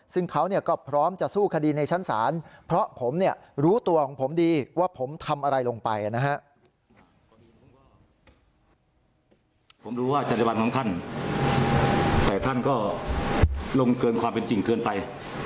แต่ท่านก็ลงเกินความเป็นจริงเกินไป